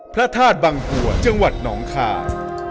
พระทาสบางปวดจังหวัดนองคาร์